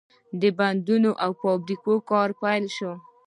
د بندونو او فابریکو کار پیل شو.